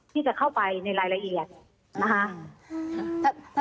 ที่จะเข้าไปในรายละเอียดนะคะ